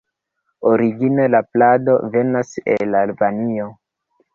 Origine la plado venas el Albanio.